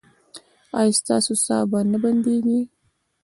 ایا ستاسو ساه به نه بندیږي؟